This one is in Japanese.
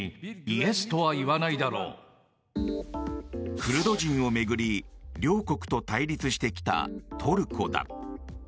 クルド人を巡り両国と対立してきたトルコだ。